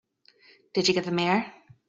Did you get the Mayor?